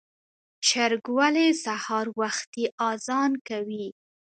چرګ ولې سهار وختي اذان کوي؟